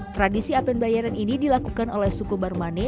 tradisi apen bayeren ini dilakukan oleh suku barmane